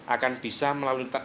akan bisa melalui transaksi